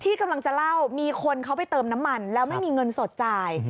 กำลังจะเล่ามีคนเขาไปเติมน้ำมันแล้วไม่มีเงินสดจ่าย